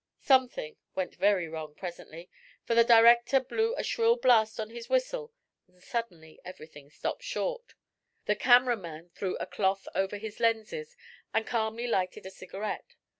Something went very wrong presently, for the director blew a shrill blast on his whistle and suddenly everything stopped short. The camera man threw a cloth over his lenses and calmly lighted a cigarette.